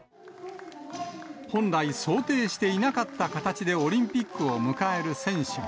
本来、想定していなかった形でオリンピックを迎える選手も。